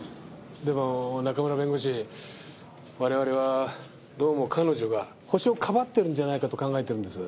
でも中村弁護士我々はどうも彼女がホシをかばってるんじゃないかと考えてるんです。